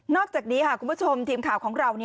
อกจากนี้ค่ะคุณผู้ชมทีมข่าวของเรา